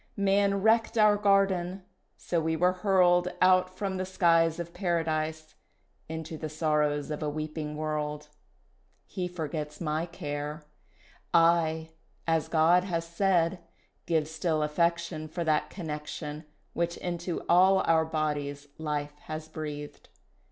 "Man wrecked our garden, so we were hurled Out from the skies Of Paradise Into the sorrows of a weeping world. He forgets my care, I, as God has said, Give still affection For that connection Which into all our bodies life has breathed.